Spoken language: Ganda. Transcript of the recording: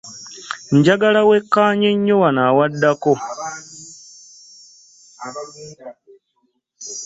Njagala wekkaanye nnyo wano awaddako.